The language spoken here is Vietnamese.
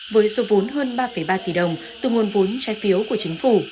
với số vốn hơn ba ba tỷ đồng từ nguồn vốn trai phiếu của chính phủ